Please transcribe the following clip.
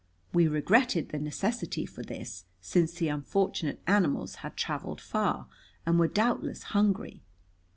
We regretted the necessity for this, since the unfortunate animals had traveled far and were doubtless hungry.